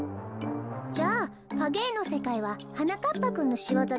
じゃあかげえのせかいははなかっぱくんのしわざだったの？